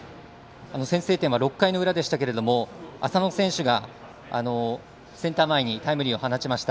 先制点は６回の裏でしたが浅野選手がセンター前にタイムリーを放ちました。